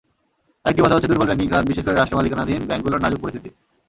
আরেকটি বাধা হচ্ছে দুর্বল ব্যাংকিং খাত, বিশেষ করে রাষ্ট্রমালিকানাধীন ব্যাংকগুলোর নাজুক পরিস্থিতি।